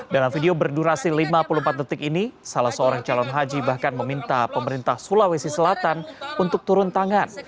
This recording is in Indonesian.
dalam video berdurasi lima puluh empat detik ini salah seorang calon haji bahkan meminta pemerintah sulawesi selatan untuk turun tangan